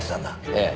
ええ。